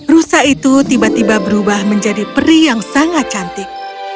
rusa itu tiba tiba berubah menjadi peri yang sangat cantik